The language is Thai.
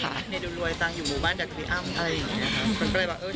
ไม่ได้อยู่รวยต่างอยู่หมู่บ้านเดี๋ยวกับพี่อ้ำอะไรอย่างนี้นะครับ